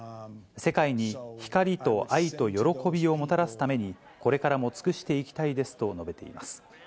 世界に光と愛と喜びをもたらすために、これからも尽くしていきたいですと述べています。